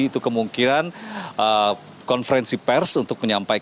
itu kemungkinan konferensi pers untuk menyampaikan